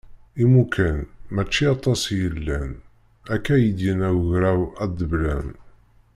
Imukan mačči aṭas i yellan, akka i d-yenna ugraw adeblan.